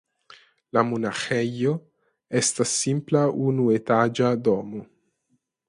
La monaĥejo estas simpla unuetaĝa domo.